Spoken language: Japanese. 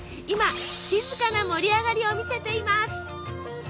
今静かな盛り上がりを見せています。